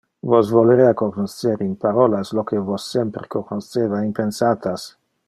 Vos volerea cognoscer in parolas lo que vos semper cognosceva in pensatas.